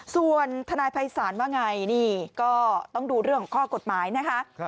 ส่วนทนายภัยศาลว่าไงนี่ก็ต้องดูเรื่องของข้อกฎหมายนะคะ